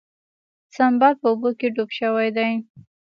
سنباد په اوبو کې ډوب شوی دی.